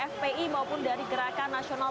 fpi maupun dari gerakan nasional